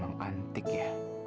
memang antik ya